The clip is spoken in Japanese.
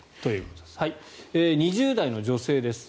２０代の女性です。